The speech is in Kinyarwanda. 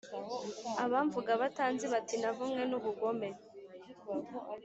abamvuga batanzi bati navumwe n` ubugome